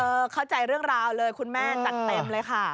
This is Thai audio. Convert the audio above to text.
เข้าใจเรื่องราวเลยคุณแม่จัดเต็มเลยค่ะ